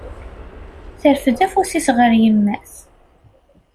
Terfed afus-s ɣer yemma-s!